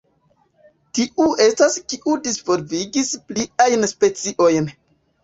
Tiu estas kiu disvolvigis pliajn speciojn.